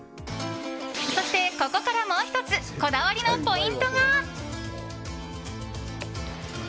そして、ここからもう１つこだわりのポイントが。